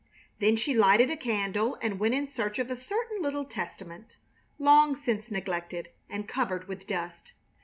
Then she lighted a candle and went in search of a certain little Testament, long since neglected and covered with dust.